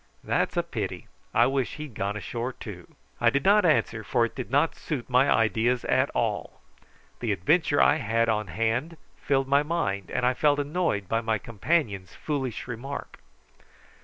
That's a pity. I wish he'd gone ashore too." I did not answer, for it did not suit my ideas at all. The adventure I had on hand filled my mind, and I felt annoyed by my companion's foolish remark.